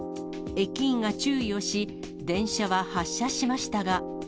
駅員が注意をし、電車は発車しましたが。